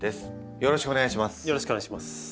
よろしくお願いします。